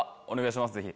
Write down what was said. お願いします